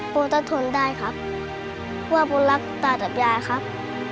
พ่อต้องทนได้ครับว่าพ่อรักตาจับยายครับ